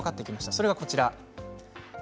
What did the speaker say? それがこちらです。